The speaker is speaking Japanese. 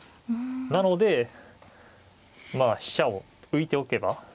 なのでまあ飛車を浮いておけば。